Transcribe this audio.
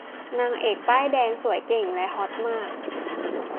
นางเอกป้ายแดง สวย เก่ง และฮอตมาก